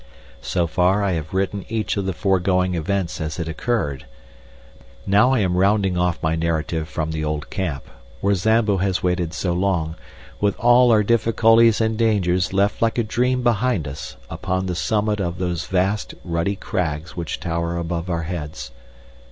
So far I have written each of the foregoing events as it occurred. Now I am rounding off my narrative from the old camp, where Zambo has waited so long, with all our difficulties and dangers left like a dream behind us upon the summit of those vast ruddy crags which tower above our heads.